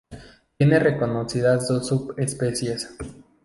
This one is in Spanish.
Tiene reconocidas dos subespecies.